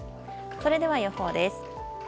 それでは予報です。